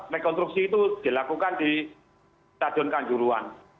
rekonstruksi itu dilakukan di stadion kanjuruan